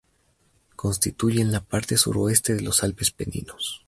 Constituyen la parte suroeste de los Alpes Peninos.